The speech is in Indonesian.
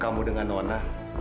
kamu dengan nona